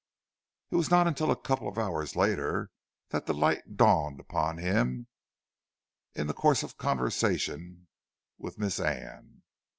It was not until a couple of hours later that the light dawned upon him, in the course of a conversation with Miss Anne.